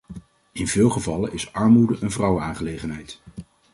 In veel gevallen is armoede een vrouwenaangelegenheid.